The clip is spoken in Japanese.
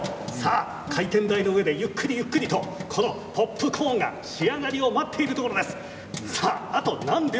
回転台の上でゆっくりゆっくりとポップコーンが仕上がりを待っているところです。